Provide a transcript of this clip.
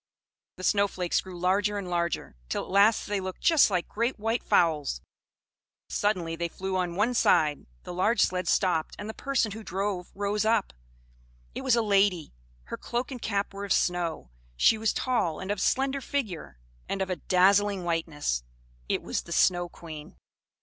The snow flakes grew larger and larger, till at last they looked just like great white fowls. Suddenly they flew on one side; the large sledge stopped, and the person who drove rose up. It was a lady; her cloak and cap were of snow. She was tall and of slender figure, and of a dazzling whiteness. It was the Snow Queen.